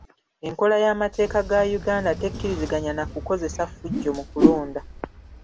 Enkola y'amateeka ga Uganda tekkiriziganya na kukozesa ffujjo mu kulonda.